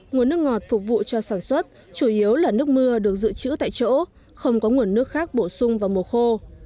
nguồn nước ngọt phục vụ cho sản xuất chủ yếu là nước mưa được dự trữ tại chỗ không có nguồn nước khác bổ sung vào mùa khô